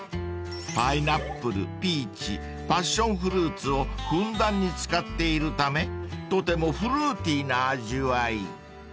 ［パイナップルピーチパッションフルーツをふんだんに使っているためとてもフルーティーな味わい］